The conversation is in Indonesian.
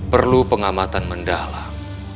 perlu pengamatan mendalam